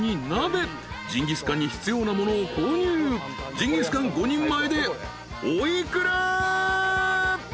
［ジンギスカン５人前でお幾ら？］